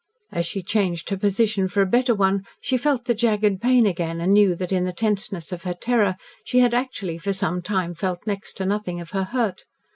As she changed her position for a better one she felt the jagged pain again and knew that in the tenseness of her terror she had actually for some time felt next to nothing of her hurt.